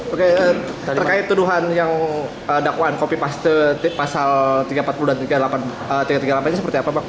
oke terkait tuduhan yang dakwaan kopi paste pasal tiga ratus empat puluh dan tiga ratus tiga puluh delapan ini seperti apa bang